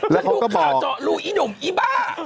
นี่เขาดูข่าวเจาะลูอิหนุ่มอิบ้า